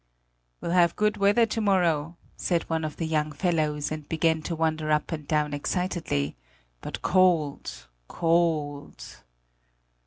"We'll have good weather to morrow," said one of the young fellows, and began to wander up and down excitedly; "but cold cold."